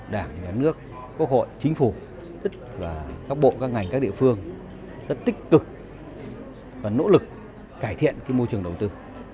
đảng nước quốc hội chính phủ các bộ các ngành các địa phương rất tích cực và nỗ lực cải thiện môi trường đầu tư